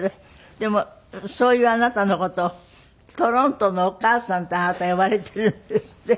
でもそういうあなたの事を「トロントのお母さん」ってあなた呼ばれているんですって？